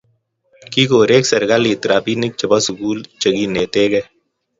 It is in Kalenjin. kigoreek serikalit robinik chebo sugul cheginietegei